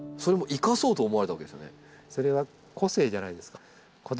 それは個性じゃないですか。